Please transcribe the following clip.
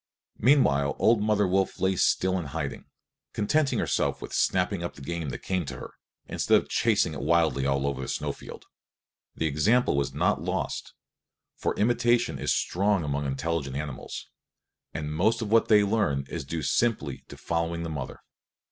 Meanwhile old mother wolf lay still in hiding, contenting herself with snapping up the game that came to her, instead of chasing it wildly all over the snow field. The example was not lost; for imitation is strong among intelligent animals, and most of what they learn is due simply to following the mother.